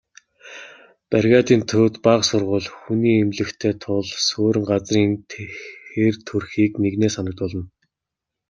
Бригадын төвд бага сургууль, хүний эмнэлэгтэй тул суурин газрын хэр төрхийг нэгнээ санагдуулна.